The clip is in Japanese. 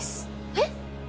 えっ？